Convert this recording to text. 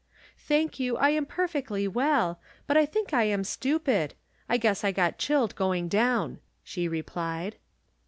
" Thank you, I am perfectly well ; but I think I am stupid. I guess I got chilled going down," she replied.